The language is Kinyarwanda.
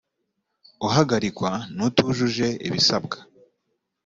uhagarikwa nutujuje ibisabwa.